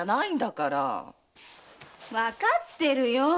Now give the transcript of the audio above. わかってるよ！